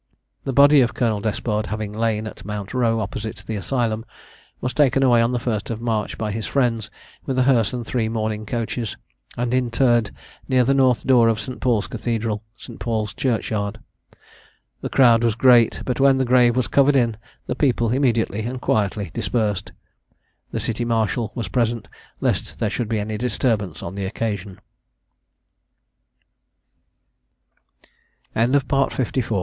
The body of Colonel Despard having lain at Mount row, opposite the Asylum, was taken away on the first of March, by his friends, with a hearse and three mourning coaches, and interred near the north door of St. Paul's Cathedral, St. Paul's churchyard. The crowd was great; but when the grave was covered in, the people immediately and quietly dispersed. The city marshal was present, lest there should be any disturbance on the occasion. JOHN HATFIELD. EXECUTED FOR FORGERY.